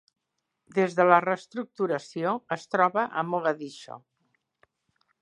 Des de la reestructuració, es troba a Mogadiscio.